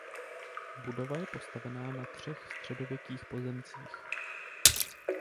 Budova je postavená na třech středověkých pozemcích.